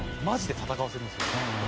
マジで戦わせるんですよ。